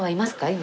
今。